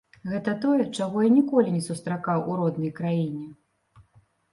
Гэта тое, чаго я ніколі не сустракаў у роднай краіне.